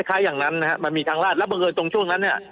คล้ายอย่างนั้นนะฮะมันมีทางลาดแล้วบังเอิญตรงช่วงนั้นเนี่ย